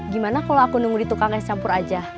gimana kalau aku nunggu di tukang es campur aja